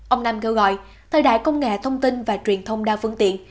ông nam kêu gọi thời đại công nghệ thông tin và truyền thông đa phương tiện